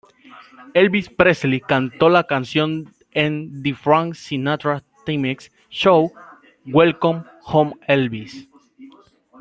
Elvis Presley cantó la canción en The Frank Sinatra Timex Show: Welcome Home Elvis.